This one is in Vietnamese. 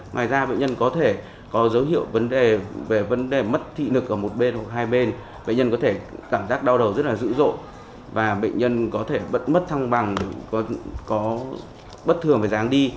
ngoài ra bệnh nhân có thể có dấu hiệu về vấn đề mất thị lực ở một bên hoặc hai bên bệnh nhân có thể cảm giác đau đầu rất là dữ dội và bệnh nhân có thể bận mất thăng bằng có bất thường phải dán đi